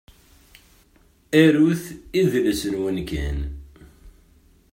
Arut, idles-nwen kan.